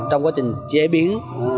trong quá trình chế biến